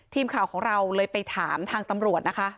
ทีมข่าวของเราเลยไปถามทางตำรวจนะคะ